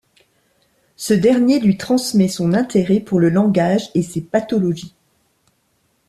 Ce dernier lui transmet son intérêt pour le langage et ses pathologies.